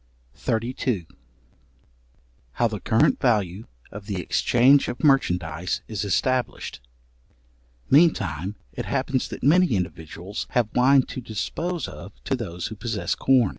§32. How the current value of the exchange of merchandize is established. Meantime it happens that many individuals have wine to dispose of to those who possess corn.